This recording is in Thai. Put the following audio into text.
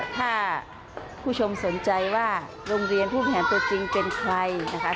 ถ้าผู้ชมสนใจว่าโรงเรียนผู้แผนตัวจริงเป็นใครนะคะ